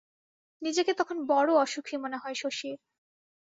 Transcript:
নিজেকে তখন বড় অসুখী মনে হয় শশীর।